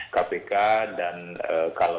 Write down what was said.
kpk dan kalau